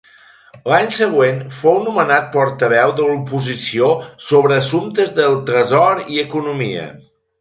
L'any següent fou nomenat portaveu de l'oposició sobre assumptes del tresor i economia.